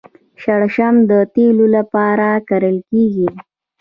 شړشم د تیلو لپاره کرل کیږي.